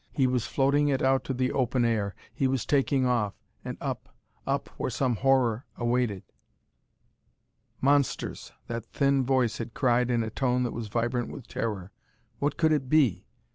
He was floating it out to the open air; he was taking off, and up up where some horror awaited. "Monsters!" that thin voice had cried in a tone that was vibrant with terror. What could it be?